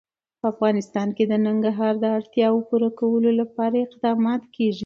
په افغانستان کې د ننګرهار د اړتیاوو پوره کولو لپاره اقدامات کېږي.